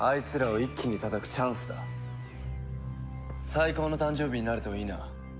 最高の誕生日になるといいな。